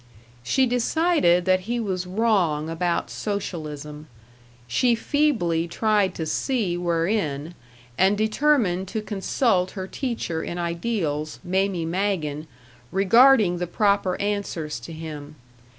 She decided that he was wrong about socialism; she feebly tried to see wherein, and determined to consult her teacher in ideals, Mamie Magen, regarding the proper answers to him.